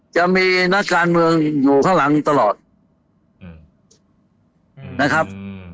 จะมีนักการเมืองอยู่ข้างหลังตลอดนะครับ